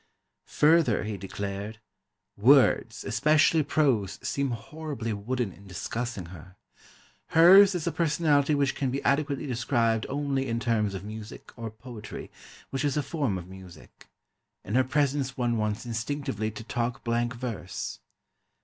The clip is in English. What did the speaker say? Further he declared: "Words, especially prose, seem horribly wooden in discussing her.... Hers is a personality which can be adequately described only in terms of music, or poetry, which is a form of music. In her presence one wants instinctively to talk blank verse."